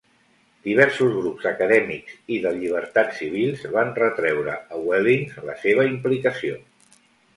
Diversos grups acadèmics i de llibertats civils van retreure a Wellings la seva implicació.